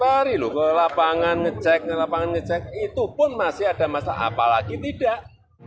lari loh ke lapangan ngecek ke lapangan ngecek itu pun masih ada masalah apa lagi tidak